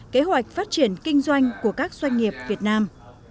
kế hoạch phát triển kinh doanh của các doanh nghiệp việt nam